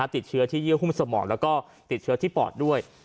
ติดเชื้อที่เยื่อหุ้มสมองแล้วก็ติดเชื้อที่ปอดด้วย